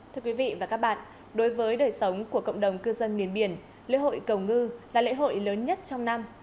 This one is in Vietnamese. thưa quý vị và các bạn đối với đời sống của cộng đồng cư dân miền biển lễ hội cầu ngư là lễ hội lớn nhất trong năm